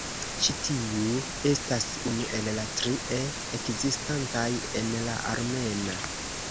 Ĉi tiu estas unu el la tri "e" ekzistantaj en la armena.